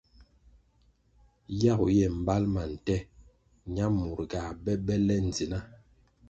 Yagu ye mbali ma nte ñamur ga be be le ndzna.